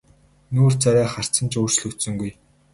Нүүр царай харц нь ч өөрчлөгдсөнгүй.